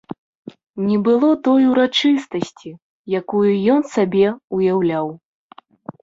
Не было той урачыстасці, якую ён сабе ўяўляў.